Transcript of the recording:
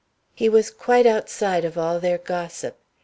He was quite outside of all their gossip.